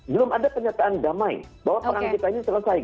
belum ada pernyataan damai bahwa perang kita ini selesai